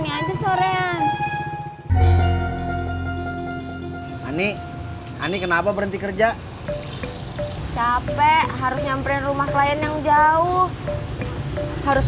ini ane ane kenapa berhenti kerja capek harus nyamperin rumah klien yang jauh harus